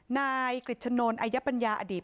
นายกริจชะนนทัยปัญญาอดีต